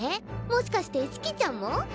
もしかして四季ちゃんも？